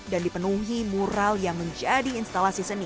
dan dipenuhi mural yang menjadi instalasi seni